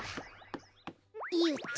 よっと。